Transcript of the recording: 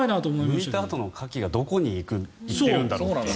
むいたあとのカキがどこに行っているんだろうって。